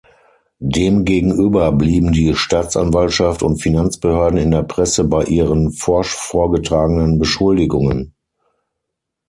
Demgegenüber blieben die Staatsanwaltschaft und Finanzbehörden in der Presse bei ihren forsch vorgetragenen Beschuldigungen.